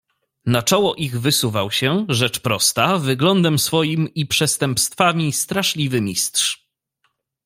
"Na czoło ich wysuwał się, rzecz prosta, wyglądem swoim i przestępstwami straszliwy Mistrz."